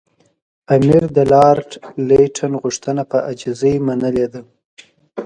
امیر د لارډ لیټن غوښتنه په عاجزۍ منلې ده.